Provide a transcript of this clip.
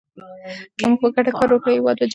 که موږ په ګډه کار وکړو، هېواد به جوړ شي.